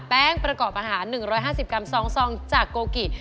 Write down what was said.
ประกอบอาหาร๑๕๐กรัม๒ซองจากโกกิ